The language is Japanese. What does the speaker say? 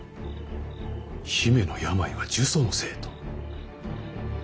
姫の病は呪詛のせいと？